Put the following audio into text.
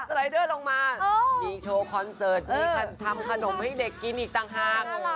รายเดอร์ลงมามีโชว์คอนเสิร์ตมีทำขนมให้เด็กกินอีกต่างหาก